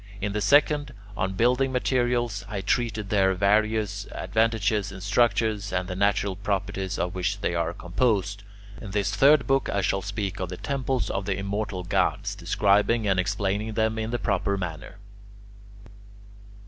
In the second, on building materials, I treated their various advantages in structures, and the natural properties of which they are composed. In this third book I shall speak of the temples of the immortal gods, describing and explaining them in the proper manner.